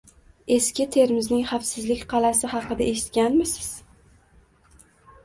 Eski Termizning xavfsizlik qalasi haqida eshitganmisiz?